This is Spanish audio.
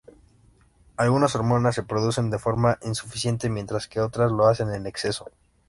Algunas hormonas se producen de forma insuficiente mientras que otras lo hacen en exceso.